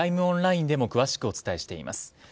オンラインでも詳しくお伝えしています。